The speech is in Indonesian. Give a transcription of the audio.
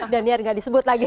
dan niar gak disebut lagi